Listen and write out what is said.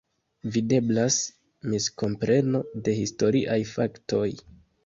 Videblas miskompreno de historiaj faktoj.